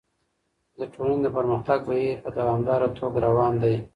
د ټولني د پرمختګ بهير په دوامداره توګه روان دی.